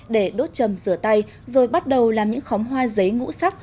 để đốt chầm rửa tay rồi bắt đầu làm những khóm hoa giấy ngũ sắc